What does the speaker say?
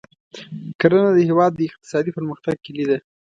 کرنه د هېواد د اقتصادي پرمختګ کلي ده.